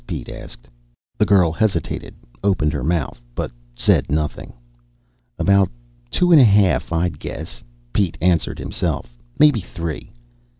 Pete asked. The girl hesitated, opened her mouth, but said nothing. "About two and a half, I'd guess," Pete answered himself. "Maybe three."